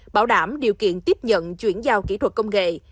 bảo đảm điều kiện tiếp nhận chuyển giao kỹ thuật công nghệ